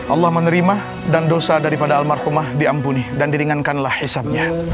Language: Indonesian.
allah menerima dan dosa daripada almarhumah diampuni dan diringankanlah hisapnya